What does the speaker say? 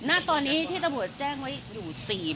และแต่ตอนนี้เกิดเครื่องการรักที่หมดและคั่วเวทยูกก็ต้องหลืม